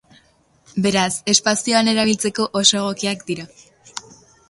Beraz, espazioan erabiltzeko oso egokiak dira.